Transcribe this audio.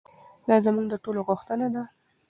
دا زموږ د ټولو غوښتنه ده.